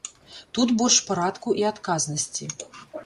Тут больш парадку і адказнасці.